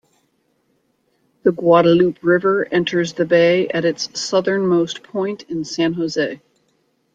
The Guadalupe River enters the bay at it southernmost point in San Jose.